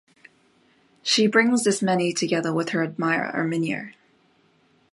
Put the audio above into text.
She brings Ismene together with her admirer Erminio.